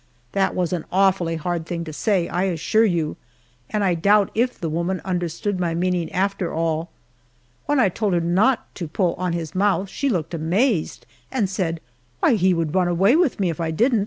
That was an awfully hard thing to say, I assure you, and I doubt if the woman understood my meaning after all. When I told her not to pull on his mouth she looked amazed, and said, "Why, he would run away with me if I didn't!"